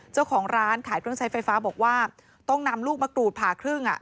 เจ้าของร้านขายเครื่องใช้ไฟฟ้าบอกว่าต้องนำลูกมะกรูดผ่าครึ่งอ่ะ